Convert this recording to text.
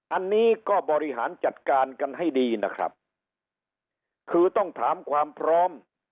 อันนี้ก็บริหารจัดการกันให้ดีนะครับคือต้องถามความพร้อม